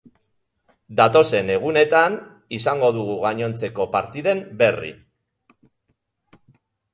Datozen egunetan izango dugu gainontzeko partiden berri.